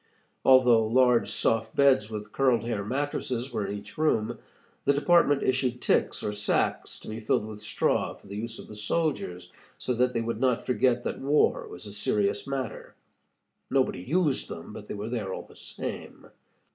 Although large soft beds with curled hair mattresses were in each room, the department issued ticks or sacks to be filled with straw for the use of the soldiers, so that they would not forget that war was a serious matter. Nobody used them, but they were there all the same.